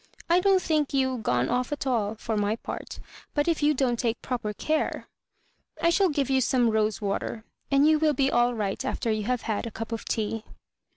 "I don't think you gone off at all, for my part ; but if you don't take proper care I shall give you some rose water, and you will be all right after you have had a cup of tea."